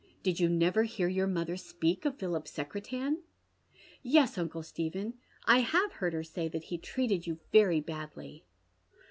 Did you never hear your mother speak of Philip Secretan ?"" y ^R, Tiiinle Stephen, I have heard her say that he treated you very badly.